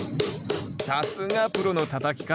さすがプロのたたき方。